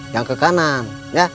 jangan ke kanan